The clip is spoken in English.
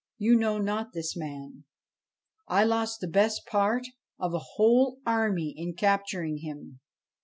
You know not this man. I lost the best part of a whole army in capturing him.